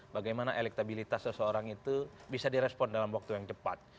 bagaimana elektabilitas seseorang itu bisa direspon dalam waktu yang cepat